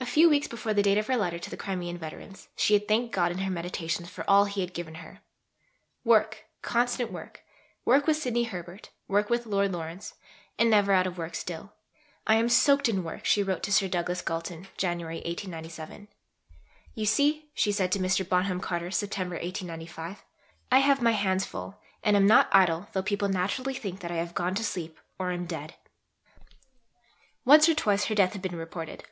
A few weeks before the date of her letter to the Crimean veterans, she had thanked God in her meditations for all he had given her "work, constant work, work with Sidney Herbert, work with Lord Lawrence, and never out of work still." "I am soaked in work," she wrote to Sir Douglas Galton (Jan. 1897). "You see," she said to Mr. Bonham Carter (Sept. 1895), "I have my hands full, and am not idle, though people naturally think that I have gone to sleep or am dead." Once or twice, her death had been reported.